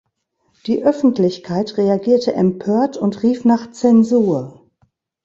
Die Öffentlichkeit reagierte empört, und rief nach Zensur.